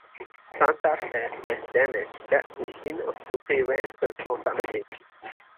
"Santa Fe" was damaged badly enough to prevent her from submerging.